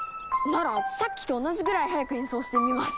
ならさっきと同じぐらい速く演奏してみます。